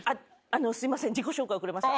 すいません自己紹介遅れました。